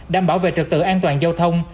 đảm bảo về trực tự an toàn giao thông